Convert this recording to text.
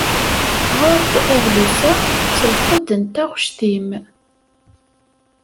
Ɣeṛ-d adlis-a s lqedd n taɣect-im.